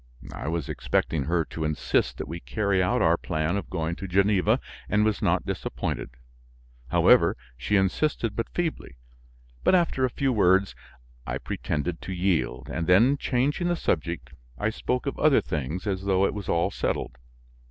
I was expecting her to insist that we carry out our plan of going to Geneva, and was not disappointed. However, she insisted but feebly; but, after a few words, I pretended to yield, and then changing the subject, I spoke of other things, as though it was all settled.